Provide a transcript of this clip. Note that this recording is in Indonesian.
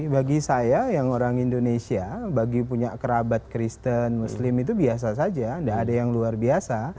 bagi saya yang orang indonesia bagi punya kerabat kristen muslim itu biasa saja tidak ada yang luar biasa